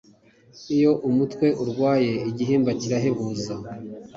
iyo umutwe urwaye igihimba kirahebuza